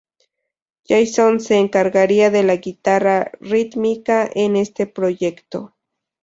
Jason se encargaría de la guitarra rítmica en este proyecto.